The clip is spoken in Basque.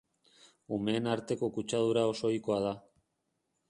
Umeen arteko kutsadura oso ohikoa da.